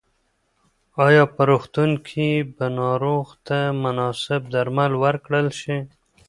ایا په روغتون کې به ناروغ ته مناسب درمل ورکړل شي؟